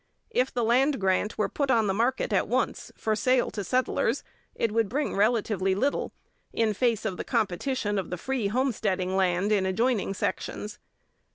If the land grant were put on the market at once, for sale to settlers, it would bring relatively little, in face of the competition of the free homestead land in adjoining sections.